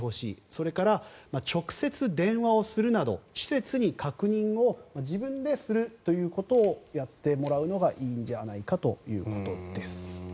それから直接電話をするなど施設に確認を自分でするということをやってもらうのがいいんじゃないかと。